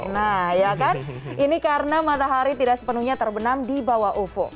nah ya kan ini karena matahari tidak sepenuhnya terbenam di bawah ufu